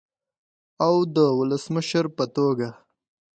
او د ولسمشر په توګه